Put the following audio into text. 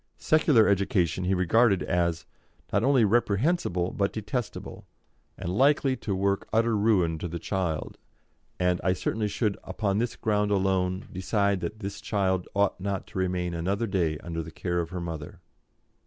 Secular education he regarded as "not only reprehensible, but detestable, and likely to work utter ruin to the child, and I certainly should upon this ground alone decide that this child ought not to remain another day under the care of her mother."